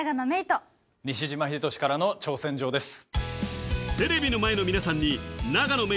郁と西島秀俊からの挑戦状です